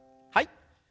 はい。